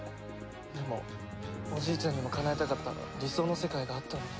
でもおじいちゃんにもかなえたかった理想の世界があったのに。